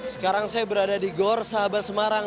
sekarang saya berada di gor sahabat semarang